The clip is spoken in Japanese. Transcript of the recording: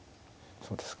そうですね。